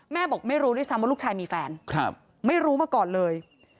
บอกไม่รู้ด้วยซ้ำว่าลูกชายมีแฟนไม่รู้มาก่อนเลย